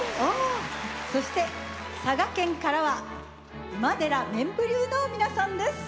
そして佐賀県からは今寺面浮立の皆さんです！